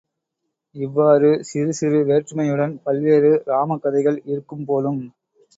இவ்வாறு சிறுசிறு வேற்றுமையுடன் பல்வேறு இராம காதைகள் இருக்கும் போலும்.